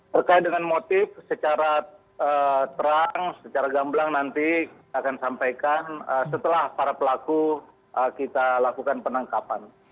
berkait dengan motif secara terang secara gamblang nanti kita akan sampaikan setelah para pelaku kita lakukan penangkapan